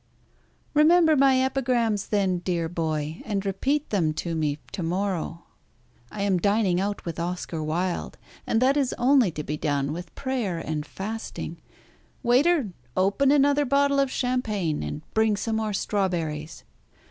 "Remember my epigrams then, dear boy, and repeat them to me to morrow. I am dining out with Oscar Wilde, and that is only to be done with prayer and fasting. Waiter, open another bottle of champagne, and bring some more strawberries.